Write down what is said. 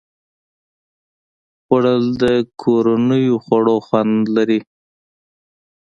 خوړل د کورني خواړو خوند لري